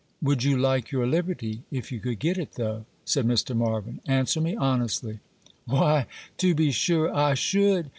'Would you like your liberty, if you could get it, though?' said Mr. Marvyn. 'Answer me honestly.' 'Why, to be sure I should!